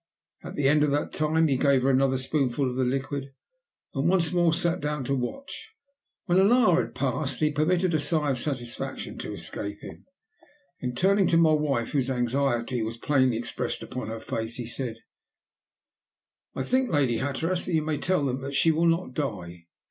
At the end of that time he gave her another spoonful of the liquid, and once more sat down to watch. When an hour had passed he permitted a sigh of satisfaction to escape him, then, turning to my wife, whose anxiety was plainly expressed upon her face, he said "I think, Lady Hatteras, that you may tell them that she will not die.